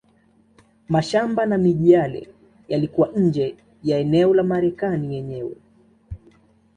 Mashamba na miji yale yalikuwa nje ya eneo la Marekani yenyewe.